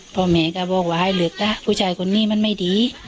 เพราะว่าเขาจัดการการสู่ใครก็และนี่ด้วย